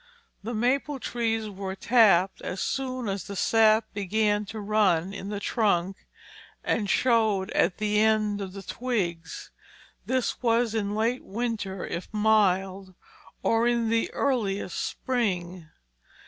The maple trees were tapped as soon as the sap began to run in the trunk and showed at the end of the twigs; this was in late winter if mild, or in the earliest spring.